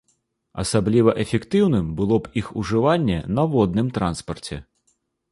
Асабліва эфектыўным было б іх ужыванне на водным транспарце.